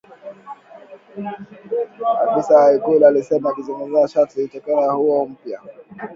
afisa wa Ikulu alisema akizungumza kwa sharti la kutotajwa jina ili aweze kuzungumzia uidhinishaji huo mpya